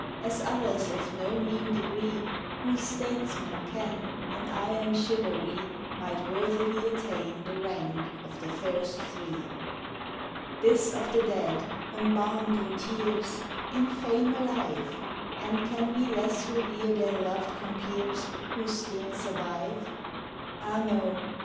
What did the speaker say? As others of no mean degree, Whose statesmen ken, and iron chivalry Might worthily attain the rank of "the first Three." This of the dead, embalmed in tears, In fame alive; And can we less revere their loved compeers, Who still survive? Ah no!